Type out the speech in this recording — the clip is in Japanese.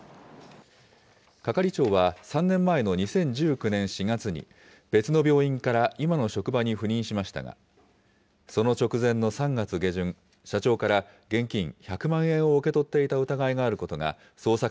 係長は３年前の２０１９年４月に、別の病院から今の職場に赴任しましたが、その直前の３月下旬、社長から現金１００万円を受け取っていた疑いがあることが、捜査